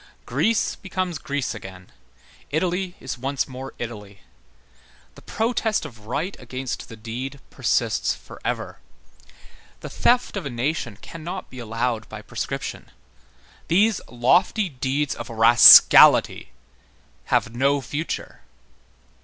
Greece becomes Greece again, Italy is once more Italy. The protest of right against the deed persists forever. The theft of a nation cannot be allowed by prescription. These lofty deeds of rascality have no future.